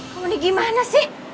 kamu ini gimana sih